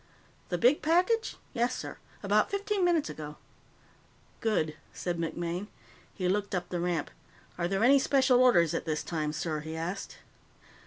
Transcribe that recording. "The big package? Yes, sir. About fifteen minutes ago." "Good," said MacMaine. He looked up the ramp. "Are there any special orders at this time, sir?" he asked.